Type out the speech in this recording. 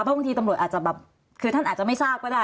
บางทีตำรวจอาจจะไม่ทำความแทน